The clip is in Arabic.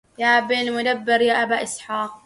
يا بن المدبر يا أبا إسحاق